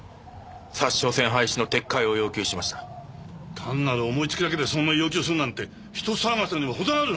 単なる思いつきだけでそんな要求をするなんて人騒がせにも程があるな！